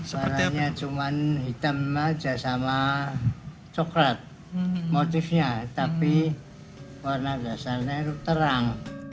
warnanya cuma hitam aja sama coklat motifnya tapi warna dasarnya itu terang